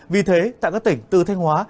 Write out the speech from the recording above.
vì thế tại các tỉnh từ thanh hóa